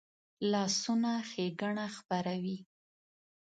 لاسونه ښېګڼه خپروي